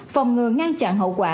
phòng ngừa ngăn chặn hậu quả